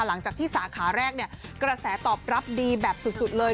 หลังจากที่สาขาแรกเนี่ยกระแสตอบรับดีแบบสุดเลย